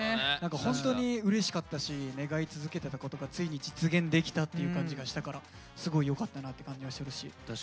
何かホントにうれしかったし願い続けてたことがついに実現できたっていう感じがしたからすごいよかったなって感じがしてるし。